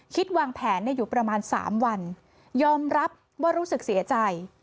วางแผนอยู่ประมาณ๓วันยอมรับว่ารู้สึกเสียใจ